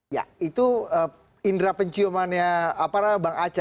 ya itu indera penciumannya apara bang aca